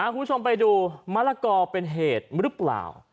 คุณชมไปดูแมละกอเป็นเหตุรึเปล่า